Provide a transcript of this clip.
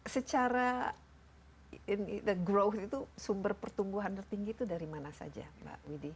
secara growth itu sumber pertumbuhan tertinggi itu dari mana saja mbak widhi